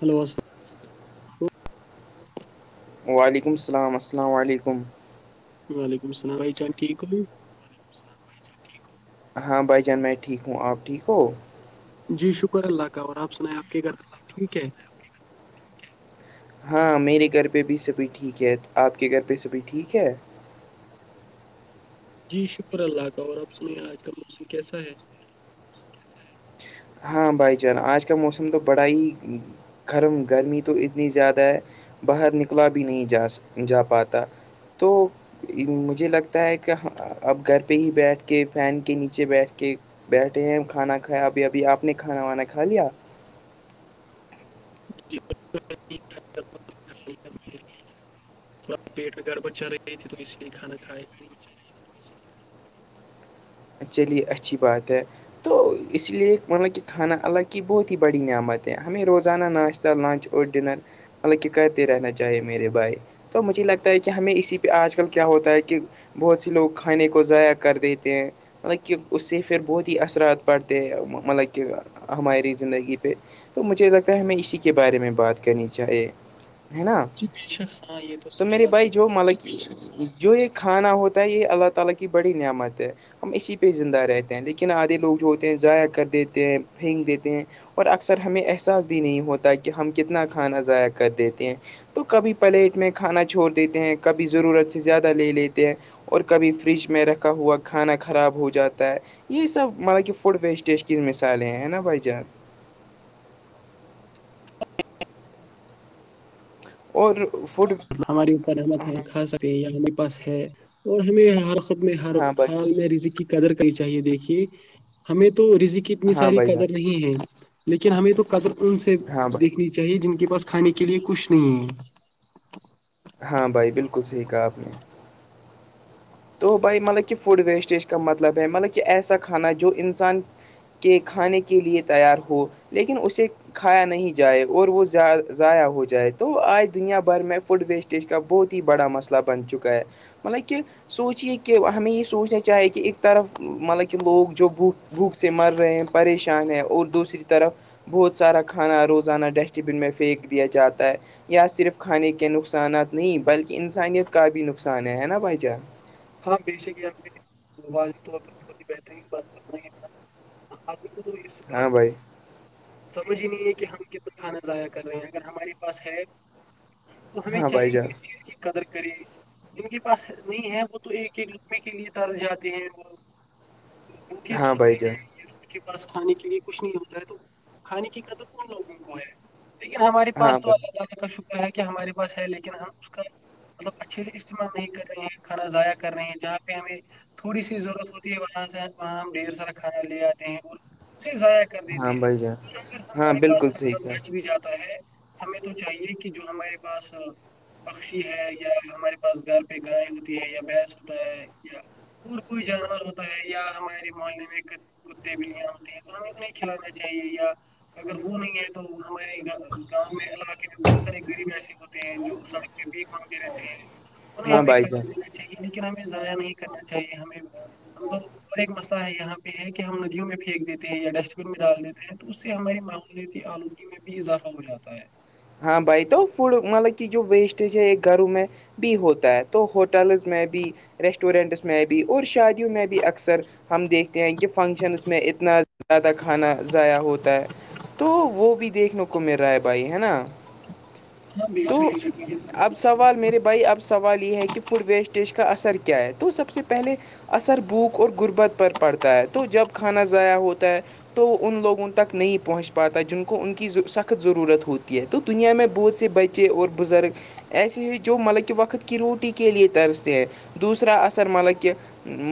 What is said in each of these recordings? hello وعلیکم السلام السلام علیکم وعلیکم السلام بھائی چان ٹھیک ہو ہاں بھائی جان میں ٹھیک ہوں آپ ٹھیک ہو جی شکر اللہ کا اور آپ سنائیں آپ کے گھر پہ ٹھیک ہے ہاں میرے گھر پہ بھی سبھی ٹھیک ہے آپ کے گھر پہ سبھی ٹھیک ہے جی شکر اللہ کا اور آپ سنے آج کا موسم کیسا ہے ہاں بھائی چار آج کا موسم تو بڑا ہی گرم گرمی تو اتنی زیادہ ہے باہر نکلا بھی نہیں جا جا پاتا تو مجھے لگتا ہے کہ اب گھر پہ ہی بیٹھ کے فین کے نیچے بیٹھ کے بیٹھے ہیں کھانا کھایا ابھی ابھی آپ نے کھانا وانا کھا لیا تھوڑا پیٹ میں گڑبڑ چل رہی تھی تو اس لیے کھانا کھائے ہی نہیں چلیے اچھی بات ہے تو اس لیے مطلب کہ کھانا الگ کی بہت ہی بڑی نعمت ہے ہمیں روزانہ ناشتہ لنچ اور ڈنر حالانکہ کرتے رہنا چاہیے میرے بھائی تو مجھے لگتا ہے کہ ہمیں اسی پہ آج کل کیا ہوتا ہے کہ بہت سے لوگ کھانے کو ضائع کر دیتے ہیں مطلب کہ اس سے پھر بہت ہی اثرات پڑتے ہیں مطلب کہ ہماری زندگی پہ تو مجھے لگتا ہے ہمیں اسی کے بارے میں بات کرنی چاہیے جی بے شک ہاں یہ تو صحی بات ہو ہے اللہ تعالی کی بڑی نعمت ہے ہم اسی پہ زندہ رہتے ہیں لیکن آدھے لوگ جو ہوتے ہیں ضائع کر دیتے ہیں پھینک دیتے ہیں اور اکثر ہمیں احساس بھی نہیں ہوتا کہ ہم کتنا کھانا ضائع کر دیتے ہیں تو کبھی پلیٹ میں کھانا چھوڑ دیتے ہیں کبھی ضرورت سے زیادہ لے لیتے ہیں اور کبھی فریج میں رکھا ہوا کھانا کا خراب ہو جاتا ہے یہ سب مطب کہ فوڈ ویسٹیج کی مثالیں ہیں نا بھائی جان اور ہماری اوپر رحمت ہے خاص ہمارے پاس ہے اور ہمیں ہر خود میں ہر حرال میں رض قدر کری چاہیے دیکھیے ہمیں تو رضی کی اتنی ساری قدر نہیں ہے لیکن ہمیں تو قدر ان سے دیکھنی چاہیے جن کے پاس کھانے کے لیے کچھ نہیں ہے [inaudible] ہاں بھائی بالکل سیکھا آپ نے تو بھائی مطلب کہ فوڈ ویسٹیج کا مطلب ہے مطلب کہ ایسا کھانا ہے جو انسان کے کھانے کے لیے تیار ہو لیکن اسے کھایا نہیں جائے اور وہ ضائع ہو جائے تو آج دنیا بھر میں فوڈ ویسٹیج کا بہت ہی بڑا مسئلہ بن چکا ہے مطلب کہ سوچیے کہ ہمیں یہ سوچنا چاہیے کہ ایک طرف مطلب کہ لوگ جو بٹ بھوک سے مر رہے ہیں پریشان ہیں اور دوسری طرف بہت سارا کھانا روزانہ ڈسٹ بن میں پھینک دیا جاتا ہے یا صرف کھانے کے نقصانات نہیں بلکہ انسانیت کا بھی نقصان ہے ہے نا بھائی جان ہاں بے شک یہ آپ بہت ہی بہترین باتا آدمی کو تو اس بات کی سمجھ ہی نہیں ہے کہ ہم کتنا کھانا ضائع کر رہے ہیں اگر ہمارے پاس ہے تو ہمیں چاہیے کہ اس چیز کی قدر کرے جن کے پاس نہیں ہے وہ تو ایک ایک لقبے کے لیے تر جاتے ہیں وہ بھوکے سوتے ہیں کے پاس کھانے کے لیے کچھ نہیں ہوتا ہے تو کھانے کی قدر ان لوگوں کو ہے [unintelligible] مطلب اچھھیز استعمال نہیں کر رہے ہیں کھا ائقہ کر رہے ہیں جہاں پہ ہمیں تھوڑی سی ضرورت ہوتی ہے وہاں سے وہاں ہم ڈھیر سارا کھانا لے آتے ہیں اور اسے ضائع کر دیتے ہیں اگر ہمارے پاس تھکا بیچ بھی جاتا ہے ہمیں تو چاہیے کہ جو ہمارے پاس پکشی ہے یا ہمارے پاس گھر پہ گائے ہوتی ہے یا بھیس ہوتا ہے یا اور کوئی جانور ہوتا ہے یا ہمارے محلے میں کد بلیاں ہوتی ہیں گانے کو نہیں کھلانا چاہیے یا اگر وہ نہیں ہے تو ہمارے گاؤ میں علاقے میں بہت سارے غریب ایسے جو سڑکنتے رہتے ہیں انہیں ہمیں لیکن ہمیں ضائع نہیں کرنا چاہیے ہمیں ہم تو اور ایک مسلہ ہے یہاں پہ ہے کہ ہم ندیوں میں پھینک دیتے ہیں یا ڈسٹ بن میں ڈال دیتے ہیں تو اس سے ہماری ماحولتی آلودگی میں بھی اضافہ ہو جاتا ہے ہاں بھائی تو فوڈ مطلب کہ جو ویسٹج ہے ایک گھروں میں بھی ہوتا ہے تو ہوٹلز میں بھی ریسٹورینٹس میں بھی اور شادیوں میں بھی اکثر ہم دیکھتے ہیں کہ فنکشنس میں اتنا زیادہ کھانا ضائع ہوتا ہے تو وہ بھی دیکھنے کو مل رہا ہے بھائی ہے نا تو اب سوال میرے بھائی اب سوال یہ ہے کہ فوڈ ویسٹیج کا اثر کیا ہے تو سب سے پہلے اثر بھوک اور غربت پر پڑتا ہے تو جب کھانا ضائع ہوتا ہے تو ان لوگوں تک نہیں پہنچ پاتا جن کو ان کی سخت ضرورت ہوتی ہے تو دنیا میں بہت سے بچے بچے اور بزرگ ایسے ہی جو مطلب کہ وقت کی روٹی کے لیے طرزتے ہے دوسرا اثر مطلب کہ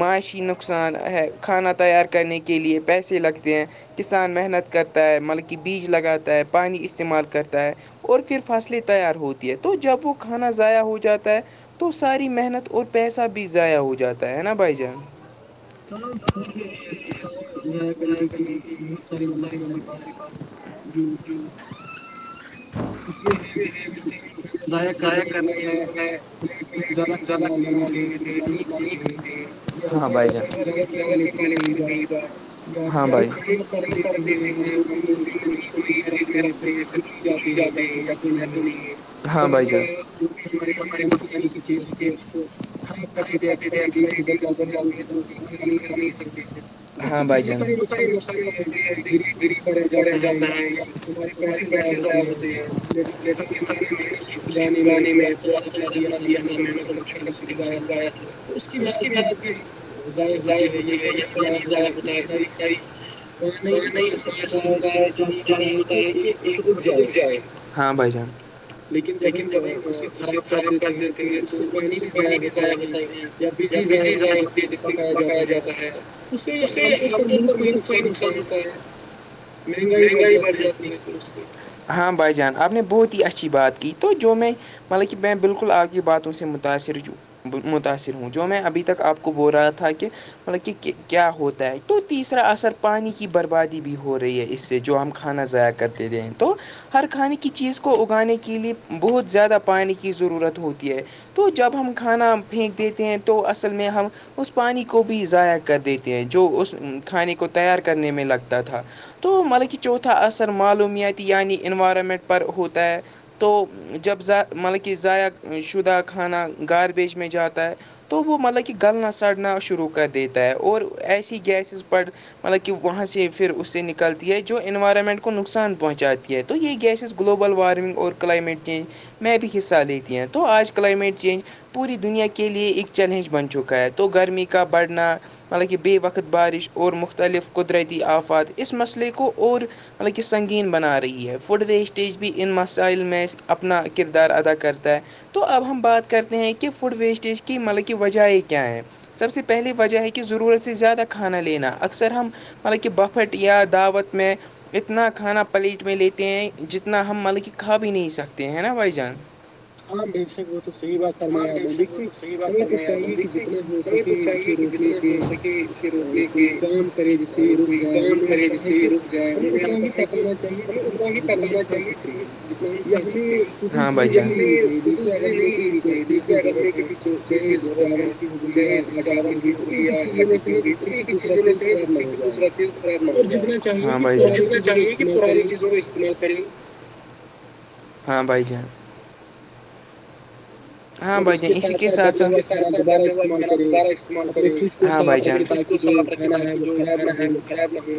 معاشی نقصان ہے کھانا تیار کرنے کے لیے پیسے لگتے ہیں کسان محنت کرتا ہے ملبک بیج لگاتا ہے پانی استعمال کرتا ہے اور پھر فاصل تیار ہوتی ہے تو جب وہ کھانا ضائع ہو جاتا ہے تو ساری محنت اور پیسہ بھی ضائع ہو جاتا ہے نا بھائی جان ہاں فر سکھانے ضائع کرنے کی بہت ساری مطلب ہمارے پاس جی ج [unintelligible] تس ضائع کر رہے ہو می ہم زیادہ کھانے والے میں تھے نہیں ک ہاں بھائی جان جگہ پہ پانی پینے گئی با ہاں بھائی کر دیتے ہیں رکھتے ہیں ب جات ج [unintelligible] جو بھی ہمارے پاس کھانے کی چیز ہوتی ہے اس کو کا کرتے تھے ایکسپائری ڈیٹ گزر جاتی ہے تو وہ بھی کھا نہیں سکتے تھے تو اس سے تو بہت سارے نقصانں ہوتے ہیں دیکھیے غب کا رہ جاتا ہے یا تار پیسے ضائع ہوتے جی کسان نے محنت کی اسے اگانے میں پورا سیر اپنا دیا تھا محنت اور مقشقت سے اسے اگایا تھا اس کی ب بھی ضائع ہوتی ہے یا پانی ضائع ہوتا ہے اتنی ساری نہیں ایسا ہوتا ہے چی ہوتا ہے کہ ایک فصل کو جائے ہاں بھائی جان لیکن جب ہم اسے خراب کر دیتے ہیں تو اس سے پانی بھی ضائع ہوتا ہے یا بجلی ضائع ہوتی ہے جس سے پکایا جاتا ہے اس سے عام طور پر ملک کو ہی نقصان ہوتا ہے مہنگائی بڑھ جاتی ہے پھر ہاں بھائی جان آپ نے بہت ہی اچھی بات کی تو جو میں مطلب کہ میں بالکل آپ کی باتوں سے متاثر ہوں متاثر ہوں جو میں ابھی تک آپ کو بول رہا تھا کہ مطلب کہ کیا ہوتا ہے تو تیسرا اثر پانی کی بربادی بھی ہو رہی ہے اس سے جو ہم خانا ذائقہ کرتے دے ہیں تو ہر کہانی کی کی چیز کو اگانے کے لیے بہت زیادہ پانی کی ضرورت ہوتی ہے تو جب ہم کھانا پھینک دیتے ہیں تو اصل میں ہم اس پانی کو بھی ضائع کر دیتے ہیں جو اس کھانے کو تیار کرنے میں لگتا تھا تو مطلب کہ چوتھا اثر معلومتی یعنی انوائرمنٹ پر ہوتا ہے تو جبذ مطلب کہ ضائع شدہ کھانا گاربیج میں جاتا ہے تو وہ مطلب کہ گلنا سڑنا شروع کر دیتا ہے اور ایسی گیسز پر مطلب کہ وہاں سے پھر اس سے نکلتی ہے جو انوائرمنٹ کو نقصان پہنچاتی ہے تو یہ گیسز گلوبل وارمنگ اور کلائمیٹ چینج میں بھی حصہ لیتی ہیں تو آج کلائمیٹ چینج پوری دنیا کے لیے ایک چیلنج بن چکا ہے تو گرمی کا بڑھنا حالانکہ بے وقت بارش اور مختلف قدرتی آفات اس مسئلے کو اور مطلبکہ سنگین بنا رہی ہے فوڈ ویسٹ اسٹیج بھی ان مسائل میں اپنا کردار ادا کرتا ہے تو اب ہم بات کرتے ہیں کہ فوڈ ویسٹیج کی مطلب کی وجہ کیا ہے سب سے پہلی وجہ ہے کہ ضرورت سے زیادہ کھانا لینا اکثر ہم مطلب کہ بپھٹ یا دعوت میں اتنا کھانا پلیٹ میں لیتے ہیں جتنا ہم مطلب کہ کھا بھی نہیں سکتے ہیں نا بھائی جان ہاں بشک وہ تو صحی بات ہےر میں یہاں بولی تمہیں تو چاہیے کہ جتنا ہمیں تو چاہیے کہ جتنا بھی ہو سکے اسے روکے کہ اور کوئی کام کرے جس سے بھی رک یہ آتا ہے کہ پل اتنا ہی کرنا چاہیے ج جتنا بھی کر سکتے ہیں ہاں بھائی کچھ چزیں نہیں لینی چاہیے اگر ہمیں کسی چیز کی ضرورت ہے چاہے چاول کی ہو گی یا آٹی کی ہو گی ہے تو یہ ک چیز ہونے چاہی جس سے کہ دوسرا چیز جی ہاں بھائی جتنا چاہیے کہ پرانی چیزوں ال ہاں بھائی جان ہاں بھائی جان اسی کے ساتھ ساتھ سھ کھانا دوبارہ استعمالیں گے ہاں بھائی جان صاف رکھے تہ جو کھانا ہے وہ خراب نہ ہو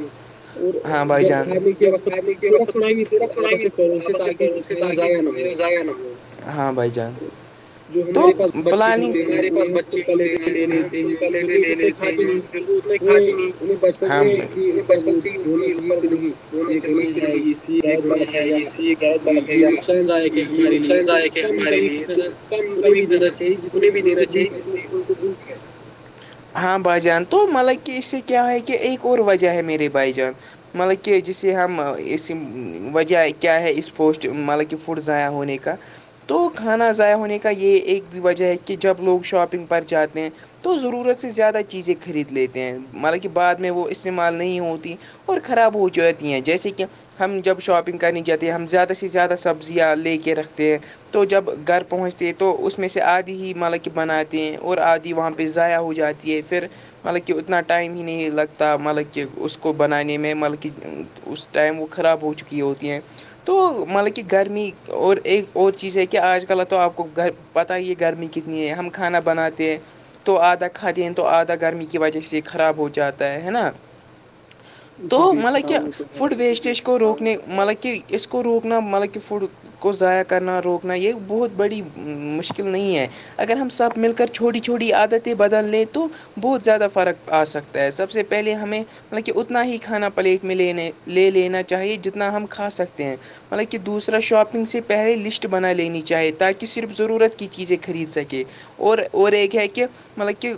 ہاں بائی چان جب کھ لے کے وقت تھوڑا تھوڑا بھی آپس میں ہاں بائی چانس تو پلانگ ہمارے پاس بچے ہوتے ہیں انہیں پل پلیٹیں لے لیتے ہیں ات میں کھاتی نہیں بچپن سے ہی ہونا چاہیے کہ نہیں یہ گنے ہے یہ لی یہ غلط بات ہے یا یہ نقصان داک ہمارے لیے تو کم کم ہی کھانا انہیں بھی دینا چاہیے جتنے ان کو بھوک ہے ہاں بھائی جان تو مطلب کہ اس سے کیا ہے کہ ایک اور وجہ ہے میرے بھائی جان مطلب کہ جسے ہم اس وجہ کیا ہے اس پوسٹ مطلب کہ فوڈ ضائع ہونے کا تو کھانا ضائع ہونے کا یہ ایک بھی وجہ ہے کہ جب لوگ شاپنگ پر جاتے ہیں تو ضرورت سے زیادہ چیزیں خرید لیتے ہیں مالا کہ بعد میں وہ استعمال نہیں ہوتی اور خراب ہو جاتی ہیں جیسے کہ ہم جب شاپنگ کرنی جاتے ہیں ہم زیادہ سے زیادہ سبزیاں لے کے رکھتے ہیں تو جب گھر پہنچتے ہیں تو اس میں سے آدھی ہی مطلب کہ بناتے ہیں اور آدھی وہاں پہ ضائع ہو جاتی ہے پھر مطلب کہ اتنا ٹائم ہی نہیں لگتا مطلب کہ اس کو بنانے میں مطلب کہ اس ٹائم وہ خراب ہو چکی ہوتی ہیں تو مطلب کہ گرمی اور ایک اور چیز ہے کہ آج کل تو آپ کو گھر پتہ ہی یہ گرمی کتنی ہے ہم کھانا بناتے ہیں تو آدھا کھا د ہیں تو آدھا گرمی کی وجہ سے یہ خراب ہو جاتا ہے نا تو مطلب کہ فوڈ ویسٹیج اس کو روکنے مطلب کہ اس کو روکنا مطلب کہ فوڈ کو ضائع کرنا روکنا یہ بہت بڑی مشکل نہیں ہے اگر ہم سب مل کر چھوٹی چھوٹی عادتیں بدل لیں تو بہت زیادہ فرق آ سکتا ہے سب سے پہلے ہمیں مط کہ اتنا ہی کھانا پلیٹ میں لینے لے لینا چاہیے جتنا ہم کھا سکتے ہیں مطلب کہ دوسرا شاپنگ سے پہلے لسٹ بنا لینی چاہیے تاکہ کہ صرف ضرورت کی چیزیں خرید سکے اور اور ایک کیا ہے کہ مطلب کہ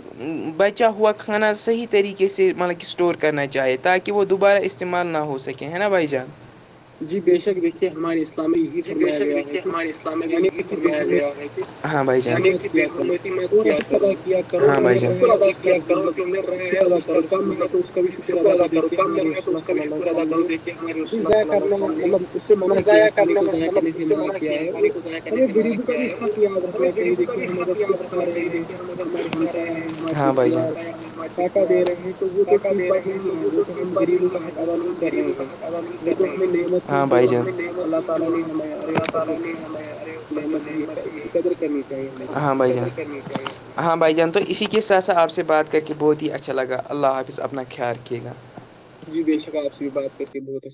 بچا ہوا کھانا صحیح طریقے سے مطلب کہ اسٹور کرنا چاہے تاکہ کہ وہ دوبارہ استعمال نہ ہو سکے ہے نا بھائی جان جی بے شک دیکھیے ہمارے جی بےشک دیکھیے ہمارے اسلام میں بھی یہی فرمایا گیا ہے کہ ہاں بھائی بےمتی م کیا کر ہاں بھائی کیا کرو جو مر رہے ہیں اس کا مطلب شکر ادا کرو کم م رہا ہے تو اس کا بھی شکر ادا کرو دیک جا کرنے مطلب اس سے منع کیا ہے کھانے کو ضاع کرنے سے منع کیا ہے وہ ہمیں یا رکھنا جی کیااں بائی جان ار پقا دے رہے ہیں تو وہ تو ٹییک بات نہیں ہے یہ تو ہم غریبوں کا حکاازہ نہیں کر رہے ہیں ہاں بھائی جان اللہ تعالی نے ہمیں ہاں بھائی ہاں بھائی جان تو اسی کے ساتھ سھ آپ سے بات کر کے بہت ہی اچھا لگا اللہ حافظ اپنا خیال کیے گا جی بے شک آ سے بھی بات کر کے بہت اچھا